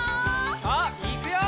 さあいくよ！